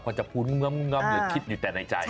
ควรจะพูดง่ำคิดอยู่แต่ในใจ